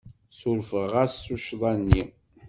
Ssurfeɣ-as tuccḍa-nni.